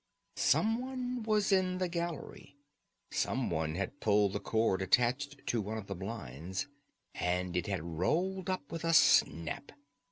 Someone was in the gallery. Someone had pulled the cord attached to one of the blinds, and it had rolled up with a snap.